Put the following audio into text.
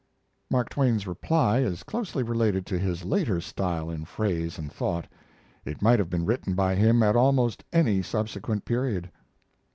Mark Twain's reply is closely related to his later style in phrase and thought. It might have been written by him at almost any subsequent period.